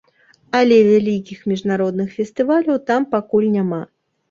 Але вялікіх міжнародных фестываляў там пакуль няма.